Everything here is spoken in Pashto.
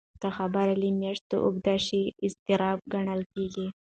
که خبره له میاشتې اوږده شي، اضطراب ګڼل کېږي.